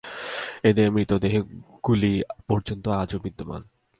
এদের মৃতদেহগুলি পর্যন্ত আজও বিদ্যমান।